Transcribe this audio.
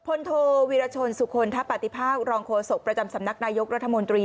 โทวีรชนสุคลทะปฏิภาครองโฆษกประจำสำนักนายกรัฐมนตรี